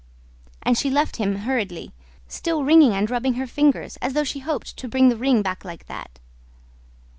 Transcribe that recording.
And she left him hurriedly, still wringing and rubbing her fingers, as though she hoped to bring the ring back like that.